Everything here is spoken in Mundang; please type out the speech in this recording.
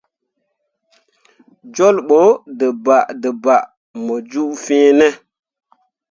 Jolɓo dǝbaadǝbaa mu ju fine.